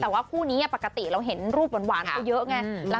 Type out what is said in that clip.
แต่ว่าคู่นี้ปกติเราเห็นรูปหวานเขาเยอะไง